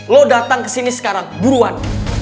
lo datang kesini sekarang buruan